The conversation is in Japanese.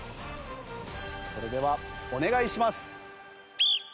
それではお願いします。